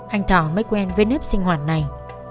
anh thọ mới quen với nếp sinh hoạt này